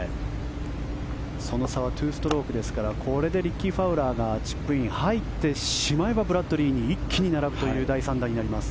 その差は２ストロークですからこれでリッキー・ファウラーがチップイン、入ってしまえばブラッドリーに一気に並ぶという第３打になります。